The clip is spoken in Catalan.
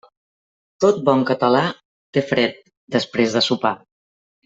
Tot bon català té fred després de sopar.